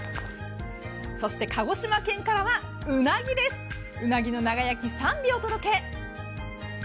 そして鹿児島県からはうなぎの長焼き３尾をお届け。